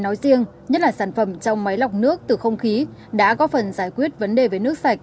nói riêng nhất là sản phẩm trong máy lọc nước từ không khí đã có phần giải quyết vấn đề với nước sạch